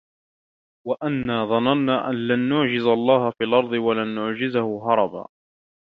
وأنا ظننا أن لن نعجز الله في الأرض ولن نعجزه هربا